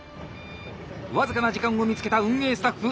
僅かな時間を見つけた運営スタッフ。